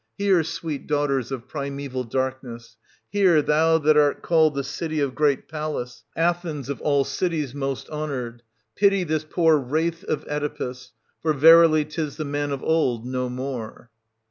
Hear, sweet daughters of primeval Darkness ! Hear, thou that art called the city of great Pallas, — Athens, of all cities most honoured ! Pity this poor wraith of Oedipus, — for verily 'tis the man of old no more.